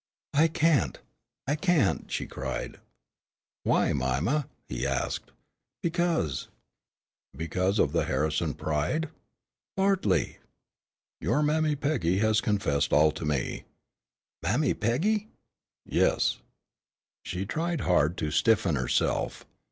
"I can't, I can't," she cried. "Why, Mima?" he asked. "Because " "Because of the Harrison pride?" "Bartley!" "Your Mammy Peggy has confessed all to me." "Mammy Peggy!" "Yes." She tried hard to stiffen herself.